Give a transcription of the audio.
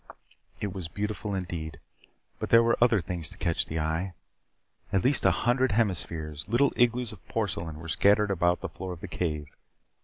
It was beautiful indeed, but there were other things to catch the eye. At least a hundred hemispheres little igloos of porcelain were scattered about the floor of the cave.